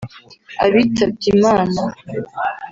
abitabye Imana